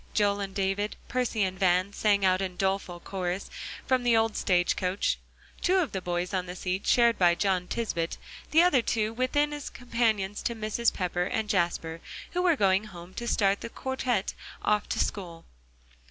Joel and David, Percy and Van sang out in doleful chorus, from the old stage coach; two of the boys on the seat shared by John Tisbett, the other two within as companions to Mrs. Pepper and Jasper, who were going home to start the quartette off to school.